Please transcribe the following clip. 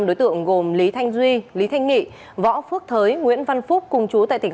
năm đối tượng gồm lý thanh duy lý thanh nghị võ phước thới nguyễn văn phúc cùng chú tại tỉnh